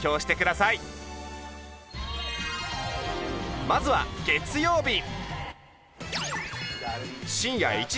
ぜひまずは月曜日。